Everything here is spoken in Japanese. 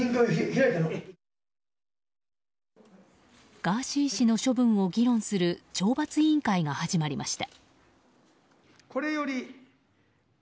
ガーシー氏の処分を議論する懲罰委員会が始まりました。